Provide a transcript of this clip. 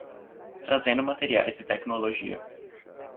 Trazendo materiais e tecnologia